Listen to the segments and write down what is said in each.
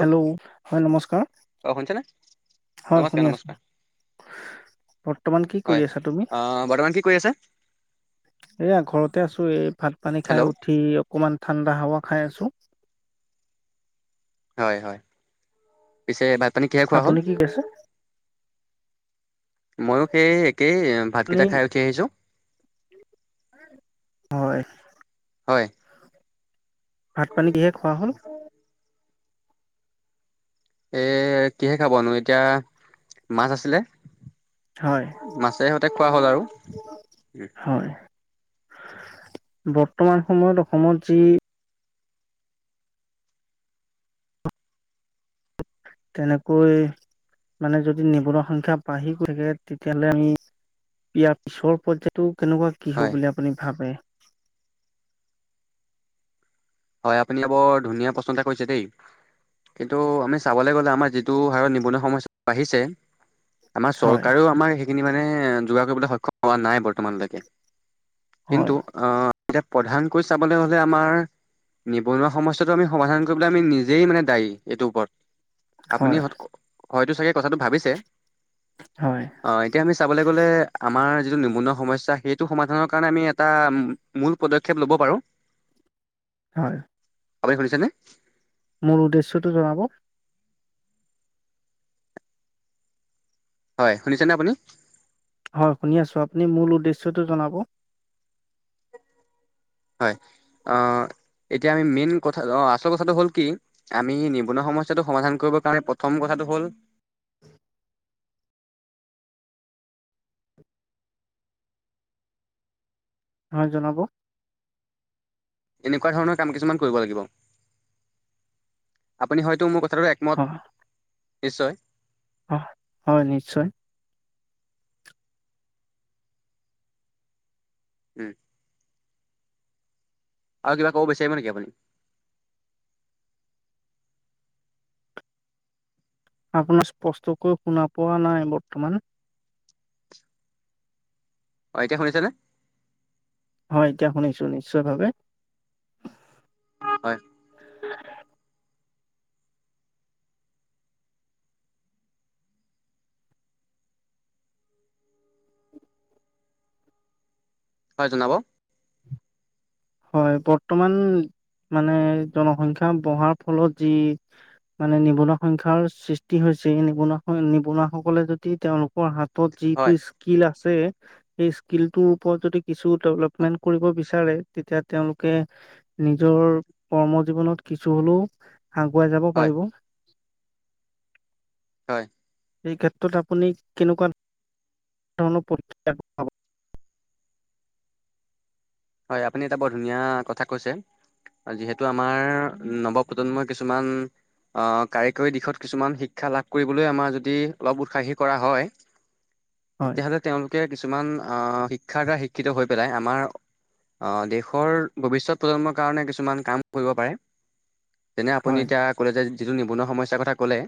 Hello হয় নমস্কাৰ, অ শুনিছেনে হয় নমস্কাৰ শুনি নমস্কাৰ আছো। বৰ্তমান কি হয় কৰি আছা তুমি? অ বৰ্তমান কি কৰি আছে এইয়া ঘৰতে আছো, এই ভাত পানী খাই হেল্ল' উঠি অক অকণমান ঠাণ্ডা হাৱা খাই আছো। হয়, হয় পিছে ভাতপানী কিহে খোৱা হ'ল? আপুনি কি কৈছে মইও সেই একেই, আপুনি ভাতকেইটা খাই উঠি আহিছো। হয়। হয়। ভাত পানী কিহে খোৱা হ'ল? এ' কিহে খাবনো এতিয়া মাছ আছিলে। হয় মাছে সৈতে খোৱা হ'ল আৰু। হয়। বৰ্তমান সময়ত অসমত যি তেনেকৈ মানে যদি নিবনুৱা বাঢ়ি গৈ থাকে তেতিয়াহ'লে আমি- ইয়াৰ পিছৰ পৰ্যায়তো কেনেকুৱা কি হ'ব হয় বুলি আপুনি ভাবে? হয়, আপুনি বৰ ধুনীয়া প্ৰশ্ন এটা কৰিছে দেই। কিন্তু আমি চাবলৈ গ'লে আমাৰ যিটো হাৰত নিবনুৱা সমস্যা বাঢ়িছে- আমাৰ হয় চৰকাৰেও আমাৰ সেইখিনি মানে যোগাৰ কৰিবলৈ সক্ষম হোৱা নাই বৰ্তমানলৈকে। হয় কিন্তু আঁহ', এতিয়া প্ৰধানকৈ চাবলৈ হ'লে আমাৰ- নিবনুৱা সমস্যাটো আমি সমাধান কৰিবলৈ আমি নিজেই মানে দায়ী এইটোৰ ওপৰত। আপুনি হয় হয়তো চাগে কথাটো ভাবিছে। হয় অ' এতিয়া আমি চাবলৈ গ'লে আমাৰ যিটো নিবনুৱা সমস্যা সেইটো সমাধানৰ কাৰণে আমি এটা উ মূল পদক্ষেপ ল'ব পাৰো। হয়। আপুনি শুনিছেনে? মূল উদ্দেশ্যটো জনাব? হয়, শুনিছেনে আপুনি? হয় শুনি আছোঁ, আপুনি মূল উদ্দেশ্যটো জনাব? হয়। অঁ', এতিয়া আমি মেইন কথা অ' আচল কথাটো হ'ল কি- আমি নিবনুৱা সমস্যাটো সমাধান কৰিবৰ কাৰণে প্ৰথম কথাটো হ'ল- হয়, জনাব। এনেকুৱা ধৰণৰ কাম কিছুমান কৰিব লাগিব, আপুনি হয়তো মোৰ কথাটো এ একমত হয় নিশ্চয়। অহ', -হয় নিশ্চয়। উম। আৰু কিবা কব বিচাৰিব নেকি আপুনি? আপোনাৰ স্পষ্টকৈ শুনা পোৱা নাই বৰ্তমান। অ' এতিয়া শুনিছে নে? হয়, এতিয়া শুনিছো, নিশ্চয় ভাৱে। হয়। হয়, জনাব। হয়, বৰ্তমান মানে জনসংখ্যা বঢ়াৰ ফলত যি- মানে নিবনুৱা সংখ্যাৰ সৃষ্টি হৈছে এই নিবনুৱা-নিবনুৱা সকলে যদি তেওঁওলোকৰ হাত- ত হয় যিটো স্কিল আছে সেই স্কিলতোৰ ওপৰত যদি কিছু ডেভলপমেন্ট কৰিব বি- বিচাৰে তেতিয়া তেওঁলোকে নিজৰ কৰ্ম জীৱনত কিছু হ'লেও- আগুৱাই যাব হয় পাৰিব। হয়। এই ক্ষেত্ৰত আপুনি কেনেকুৱা ধৰণৰ প্ৰতি হয়, আপুনি এটা বৰ ধুনীয়া কথা কৈছে। যিহেতু আমাৰ নৱপ্ৰজন্মৰ কিছুমান- আঁহ', কাৰিকৰী দিশত কিছুমান শিক্ষা লাভ কৰিবলৈ আমাৰ যদি উৎসাহী কৰা হয়। হয়, তেতিয়া হ'লে তেওঁলোকে কিছুমান আহ, শিক্ষাৰ দ্বাৰা শিক্ষিত হৈ পেলাই আমাৰ অ' দেশৰ ভৱিষ্যত প্ৰজন্মৰ কাৰণে কিছুমান কাম কৰিব পাৰে। যেনে আপুনি হয়, এতিয়া ক'লে যে যিটো নিবনুৱা সমইছা কথা ক'লে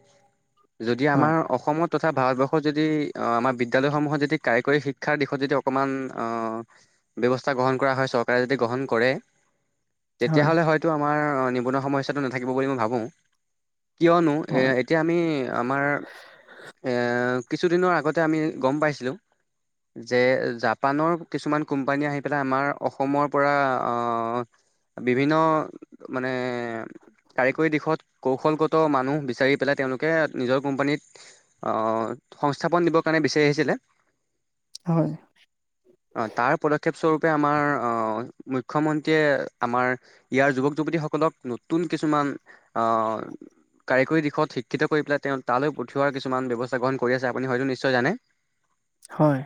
যদি হয়। আমাৰ অসমত তথা ভাৰতবৰ্ষত যদি অ' আমাৰ বিদ্যালয় সমূহত যদি কাৰিকৰী শিক্ষাৰ দিশত যদি অকণমান অ' ব্যৱস্থা গ্ৰহণ কৰা হয় চৰকাৰে যদি গ্ৰহণ কৰে তেতিয়াহ'লে হয় তো আমাৰ অ'নিবনুৱা সময়সাটো নাথাকিব বুলি মই ভাবো কিয়নো এ হয়, এতিয়া আমি আমাৰ এ, কিছুদিনৰ আগতে আমি গম পাইছিলোঁ যে জাপানৰ কিছুমান কোম্পানী আহি এইফালে আমাৰ অসমৰ পৰা অ' বিভিন্ন মানে কাৰিকৰী দিশত কৌশলগত মানুহ বিচাৰি পেলাই তেওঁলোকে নিজৰ কোম্পানীত অ' সংস্থাপন দিব কাৰণে বিচাৰি আহিছিলে। হয়। অ' তাৰ পদক্ষেপ স্বৰূপে আমাৰ অ' মুখ্যমন্ত্ৰীয়ে আমাৰ ইয়াৰ যুৱক-যুৱতীসকলক নতুন কিছুমান অ' কাৰিকৰী দিশত শিক্ষিত কৰি পেলাই তেওঁ তালৈ পঠিওৱাৰ কিছুমান ব্যৱচ স্থা কৰি আছে আপুনি হয়টো নিশ্চয় জানে হয়।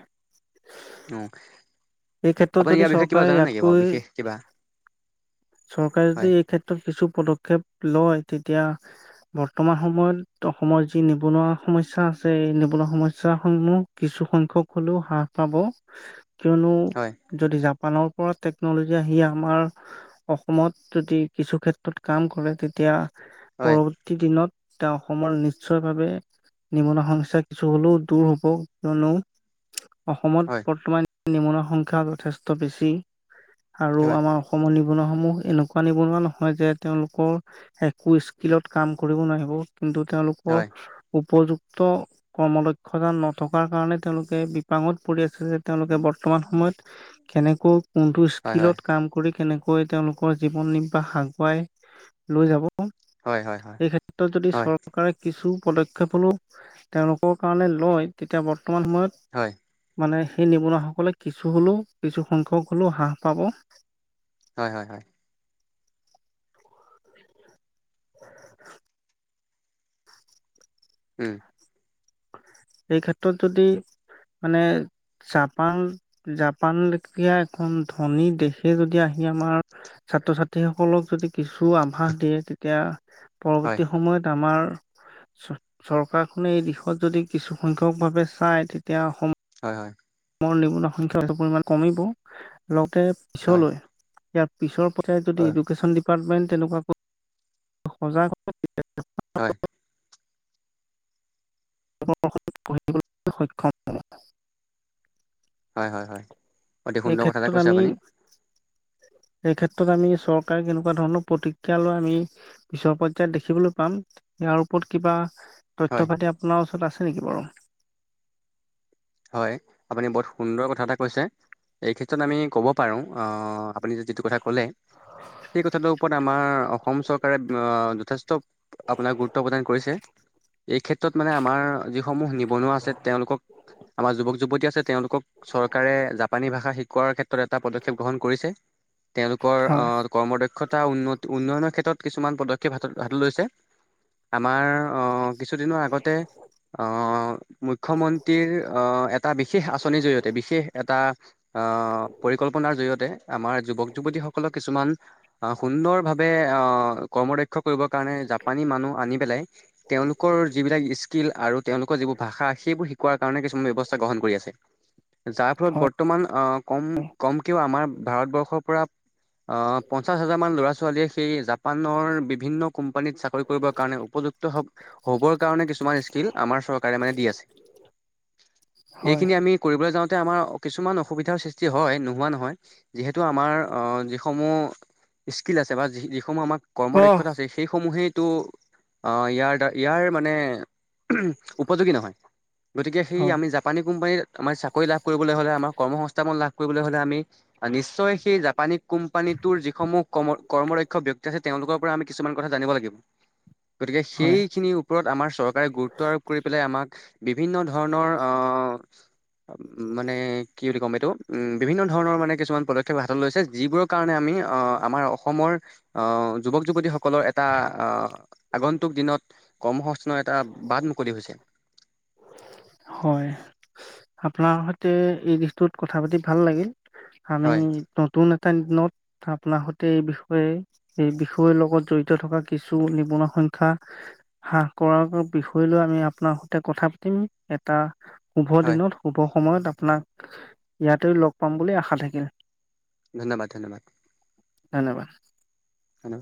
এই ক্ষেত্ৰত আপুনি যদি ইয়াৰ বিক্ষয় কিবা চৰকাৰে জানে নিকী অ' ইয়াতকৈ বিশেষ কিবা? চৰকাৰে তো হয় এই ক্ষেত্ৰত কিছু পদক্ষেপ লয় তেতিয়া বৰ্তমান সময়ত অসমৰ যি নিবনুৱা সমস্যা আছে এই নিবনুৱা সমস্যাসমূহ কিছু সংখ্যক হ'লেও হ্ৰাস পাব কিয়নো হয়। যদি জাপানৰ পৰা টেকনলজি আহি আমাৰ অসমত যদি কিছু ক্ষেত্ৰত কাম কৰে তেতিয়া হয় পৰব বৰ্তি দিনত তেওঁ অসমৰ নিশ্চয় ভাৱে নিবনুৱা সমস্যা কিছু হ'লেও দূৰ হব কিয়নো অসমত হয় বৰ্তমান নিবনুৱাৰ সংখ্যা যথেষ্ট বেছি আৰু হয় আমাৰ অসমৰ নিবনুৱাসমূহ এনেকুৱা নিবনুৱা নহয় যে তেওঁলোকৰ একো স্কিলত কাম কৰিব নোৱাহিব কিন্তু তেওঁলোকৰ হয় উপযুক্ত কৰ্ম দক্ষতা নথকাৰ কাৰণে তেওঁলোকে বিপাঙত পৰি আছিল যে তেওঁলোকে বৰ্তমান সময়ত কেনেকৈ কোনটো হয় হয় স্কিলত কাম কৰি কেনেক কৈ তেওঁলোকৰ জীৱন নিৰ্বাহ আগুৱাই লৈ যাব হয় হয় এই ক্ষেত্ৰত যদি হয় চৰকাৰে কিছু পদক্ষেপ হ'লেও তেওঁলোকৰ কাৰণে লয় তেতিয়া বৰ্তমান সময়ত হয়। মানে সেই নিবনুৱাসকলে কিছু হ'লেও কিছু সংখ্যক হলেও হ্ৰাস পাব। হয়, হয়, হয়। [inaudible] উম, এই ক্ষেত্ৰত যদি মানে জাপান, জাপানলেখীয়া এখন ধনী দেশে যদি আহি আমাৰ ছাত্ৰ-ছাত্ৰীসকলক যদি কিছু আভাস দিয়ে তেতিয়া হয় পৰৱৰ্তী সময়ত আমাৰ চ-চৰকাৰখনে এই দিশত যদি কিছুখ্যংখক ভাৱে চাই তেতিয়া অসম হয়, হয়। মোৰ নিবনুৱা সংখ্যটোৰ পৰিমাণ কমিব উ তে হয় পিছলৈ ইয়াত পিছৰ পটায়ত যদি হয় এডুকেশ্যন ডিপাৰ্টমেন্ট তেনেকুৱাকৈ সজাগ হয় আমাৰ অসমৰ ল'ৰা ছোৱালী পঢ়িবলৈ সক্ষম [unintelligible] ধনাদ [unintelligible] হয়, হয়, হয় অতি এই সুন্দৰ কথা এটা ক্ষেত্ৰত কৈছে আমি আপুনি এই ক্ষেত্ৰত আমি চৰকাৰে কেনেকুৱা ধৰণৰ প্ৰতিক্ৰিয়া লয় আমি পিছৰ পৰ্যায়ত দেখিবলৈ পাম ইয়াৰ ওপৰত কিবা হয় তথ্য পাতি আপোনাৰ ওচৰত আছে নেকি বাৰু হয়, আপুনি বহুত সুন্দৰ কথা এটা কৈছে। এই ক্ষেত্ৰত আমি ক'ব পাৰুং অ আপুনি যিটো কথা ক'লে সেই কথাটোৰ ওপৰত আমাৰ অসম চৰকাৰে অ যথেষ্ট আপোনাক গুৰুত্ব প্ৰদান কৰিছে। এই ক্ষেত্ৰত মানে আমাৰ যিসমূহ নিবনুৱা আছে তেওঁলোকক আমাৰ যুৱক যুৱতী আছে তেওঁলোকক চৰকাৰে জাপানী ভাষা শিকোৱাৰ ক্ষেত্ৰত এটা পদক্ষেপ গ্ৰহণ কৰিছে। তেওঁলোকৰ হয়, অ' কৰ্ম দক্ষতা উন্নত উন্নয়নৰ ক্ষেত্ৰত কিছুমান পদক্ষেপ হাত হাতত লৈছে আমাৰ অ' কিছুদিনৰ আগতে অ' মুখ্যমন্ত্ৰীৰ আহঁ এটা বিশেষ আঁচনিৰ জৰিয়তে বিশেষ এটা আহঁ পৰিকল্পনাৰ জৰিয়তে আমাৰ যুৱক যুৱতীসকলক কিছুমান আহঁ সুন্দৰ ভাৱে আহঁ কৰ্মৰক্ষা কৰিবৰ কাৰণে জাপানী মানুহ আনি পেলাই তেওঁলোকৰ যিবিলাক স্কিল আৰু তেওঁলোকৰ যিবোৰ ভাষা সেইবোৰ শিকোৱাৰ কাৰণে কিছ উ ব্যৱস্থা গ্ৰহণ কৰি আছে। যাৰ ফলত হয়, বৰ্তমান আহ কম কমকেও আমাৰ ভাৰতবৰ্ষৰ পৰা অ' পঞ্চাশ হাজাৰ মান ল'ৰা ছোৱালীয়ে সেই জাপানৰ বিভিন্ন কোম্পানীত চাকৰি কৰিবৰ কাৰণে উপযুক ক্ত হক হ'বৰ কাৰণে কিছুমান স্কিল আমাৰ চৰকাৰে মানে দি আছে। হয়, এইখিনি আমি কৰিবলৈ যাওঁতে আমাৰ কিছুমান অসুবিধাৰ হয় নোহোৱা নহয়। যিহেতু আমাৰ অ যিসমূহ স্কিল আছে বা যি সমূহ আমাক কৰ্ম অ', দক্ষতা আছে সেইসমূহেইটো অ ইয়াৰ দা ইয়াৰ মানে উপযোগী নহয় গতিকে সেই হয়, আমি জাপ পানি কোম্পানীত আমাৰ চাকৰি লাভ কৰিবলৈ হলে আমাৰ কৰ্ম সংস্থাপন লাভ কৰিবলৈ হলে আমি আ নিশ্চয় সেই জাপানী কোম্পানীটোৰ যিসমূহ কমৰ কৰ্মৰক্ষ ব্যক্তি আছে তেওঁলোকৰ পৰা আমি কিছুমান কথা জানিব লাগিব গতিকে হয়, সেইখিনিৰ ওপৰত আমাৰ চৰকাৰে গুৰুত্ব আৰোপ কৰি পেলাই আমাক বিভিন্ন ধ ধৰণৰ অ উ মানে কি বুলি ক'ম এইটো উম বিভিন্ন ধৰণৰ মানে কিছুমান পদক্ষেপ হাতত লৈছে যিবোৰৰ কাৰণে আমি অ আমাৰ অসমৰ অ যুৱক যুৱতীসকলৰ এটা আহ আগন্তুক দিনত কৰ্ম সংস্থানৰ এটা বাট মুকলি হৈছে হয় আপোনাৰ সৈতে এই দিশটোত কথা পাতি ভাল লাগিল [inaudible] হয় এটা দিনত আপোনাৰ সৈতে এই বিষয়ে এই বিষয়ৰ লগত জড়িত থকা কিছু নিবনুৱা সংখ্যা হ্ৰাহ কৰাৰ বিষয় লৈ আমি আপোনাৰ সৈতে কথা পাতিম এটা শুভ হয় দিনত শুভ সময়ত আপোনাক ইয়াতে লগ পাম বুলি আশা থাকিল ধন্যবাদ ধন্যবাদ ধন্যবাদ হেন